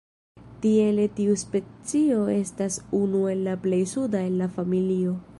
Tiele tiu specio estas unu el la plej suda el la familio.